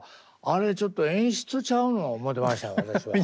あれちょっと演出ちゃうの思ってました私は。